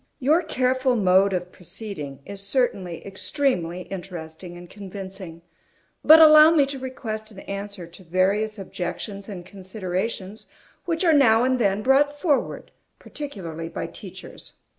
Your careful mode of proceeding is certainly extremely interesting and convincing; but allow me to request an answer to various objections and considerations which are now and then brought forward, particularly by teachers.